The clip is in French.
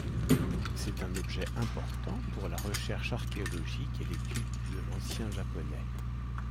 C'est un objet important pour la recherche archéologique et l'étude de l'ancien japonais.